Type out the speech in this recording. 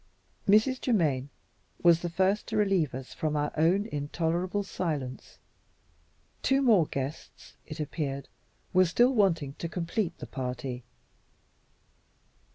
Mrs. Germaine was the first to relieve us from our own intolerable silence. Two more guests, it appeared, were still wanting to complete the party.